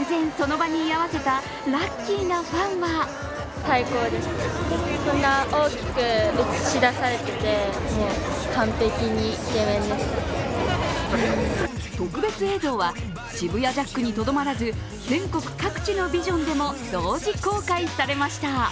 偶然、その場に居合わせたラッキーなファンは特別映像は渋谷ジャックにとどまらず、全国各地のビジョンでも同時公開されました。